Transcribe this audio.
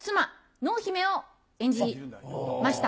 濃姫を演じました。